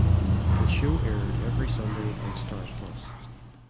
The show aired every Sunday on Star Plus.